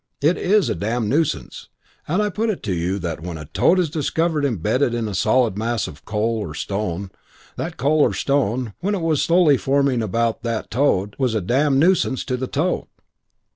It is a damned nuisance; and I put it to you that, when a toad is discovered embedded in a solid mass of coal or stone, that coal or stone, when it was slowly forming about that toad, was a damned nuisance to the toad."